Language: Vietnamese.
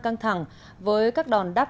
căng thẳng với các đòn đắp